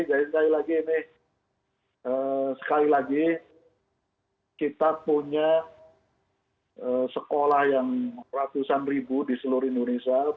jadi sekali lagi kita punya sekolah yang ratusan ribu di seluruh indonesia